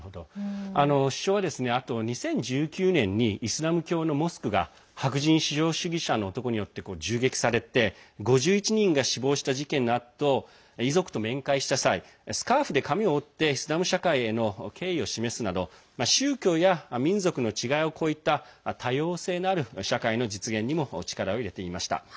首相は、あと２０１９年にイスラム教のモスクが白人至上主義者の男によって銃撃されて５１人が死亡した事件のあと遺族と面会した際スカーフで髪を覆ってイスラム社会への敬意を示すなど宗教や民族の違いを超えた多様性のある社会の実現にも力を入れていました。